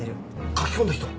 書き込んだ人は？